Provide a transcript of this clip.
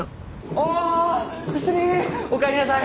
お帰りなさい！